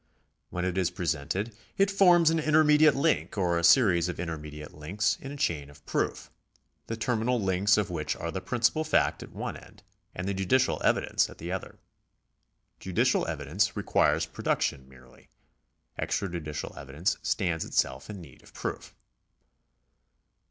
When it is present, it forms an intermediate link or a series of intermediate links in a chain of proof, the terminal links of which are the principal fact at one end and the judicial evidence at the other. Judicial evi dence requires production merely ; extrajudicial evidence stands itself in need of proof.